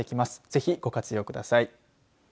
ぜひ、ご活用ください。